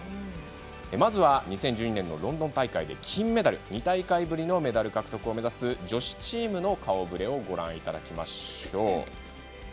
まず、２０１２年ロンドン大会で金メダル２大会ぶりのメダル獲得を目指す女子チームの顔ぶれをご覧いただきましょう。